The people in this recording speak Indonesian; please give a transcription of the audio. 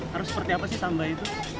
harus seperti apa sih samba itu